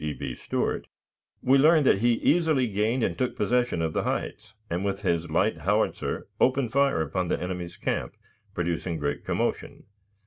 E. B. Stuart, we learn that he easily gained and took possession of the heights, and with his light howitzer opened fire upon the enemy's camp, producing great commotion.